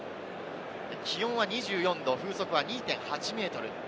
気温は２４度、風速は２．８メートル。